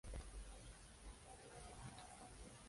Estudió guitarra clásica en el Trinity Guildhall.